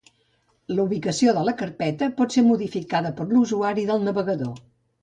La ubicació de la carpeta pot ser modificada per l'usuari del navegador.